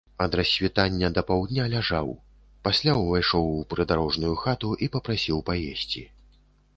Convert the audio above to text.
Ад рассвітання да паўдня ляжаў, пасля ўвайшоў у прыдарожную хату і папрасіў паесці.